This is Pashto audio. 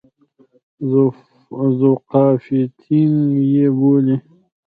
ذوقافیتین یې بولي.